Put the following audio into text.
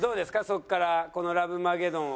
そこからこのラブマゲドンを。